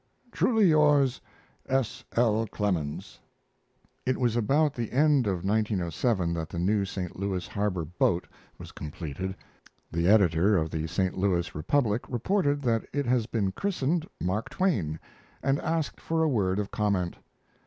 Truly yours, S. L. CLEMENS. It was about the end of 1907 that the new St. Louis Harbor boat, was completed. The editor of the St. Louis Republic reported that it has been christened "Mark Twain," and asked for a word of comment.